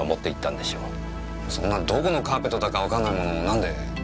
そんなどこのカーペットだかわかんないものをなんで？